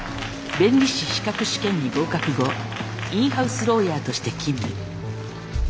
弁理士資格試験に合格後インハウスローヤーとして勤務。